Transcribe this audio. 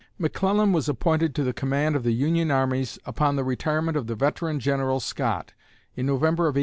McClellan was appointed to the command of the Union armies upon the retirement of the veteran General Scott, in November of 1861.